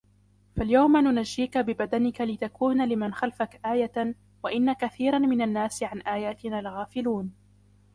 فاليوم ننجيك ببدنك لتكون لمن خلفك آية وإن كثيرا من الناس عن آياتنا لغافلون